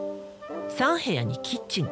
３部屋にキッチン。